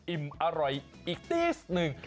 อิ่มอร่อยอีกติ๊สหนึ่ง